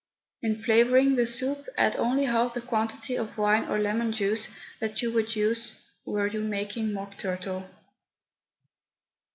In flavouring the soup, add only half the quantity of wine or lemon juice that you would use were you making Mock Turtle.